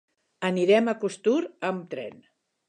Anirem a Costur amb tren.